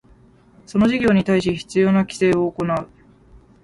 その事業に対し必要な規制を行う